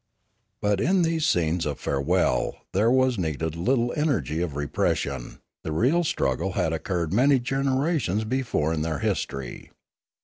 But in these scenes of farewell there was needed little energy of repression; the real struggle had occurred many generations before in their history.